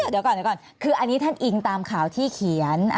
เดี๋ยวก่อนเดี๋ยวก่อนคืออันนี้ท่านอิงตามข่าวที่เขียน